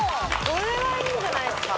これはいいんじゃないですか